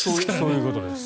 そういうことです。